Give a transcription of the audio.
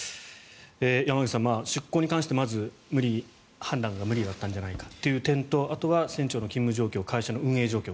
山口さん、出航に関してまず判断に無理があったんじゃないかという点とあとは船長の勤務状況会社の運営状況